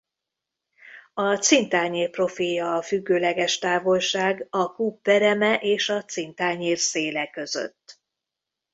A cintányér profilja a függőleges távolság a kúp pereme és a cintányér széle között.